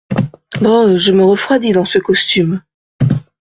Brrr !… je me refroidis dans ce costume…